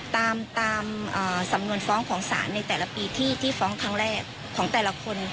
ตามสำนวนฟ้องของศาลในแต่ละปีที่ฟ้องครั้งแรกของแต่ละคน